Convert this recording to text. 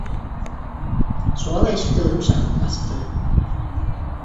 Шуға ла ишекте үҙем шаҡып астым: